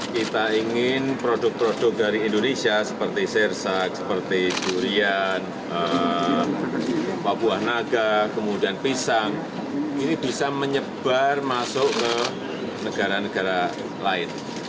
kita ingin produk produk dari indonesia seperti sirsak seperti durian buah naga kemudian pisang ini bisa menyebar masuk ke negara negara lain